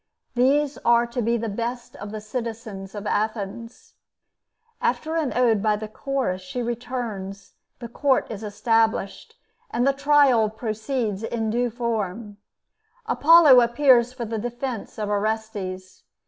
These are to be the best of the citizens of Athens. After an ode by the Chorus, she returns, the court is established, and the trial proceeds in due form. Apollo appears for the defense of Orestes.